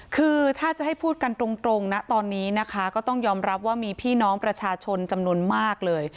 คือถ้าจะให้พูดกันตรงนะตอนนี้นะคะก็ต้องยอมรับว่ามีพี่น้องประชาชนจำนวนมากเลย